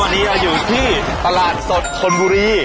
วันนี้เราอยู่ที่ตลาดสดธนบุรี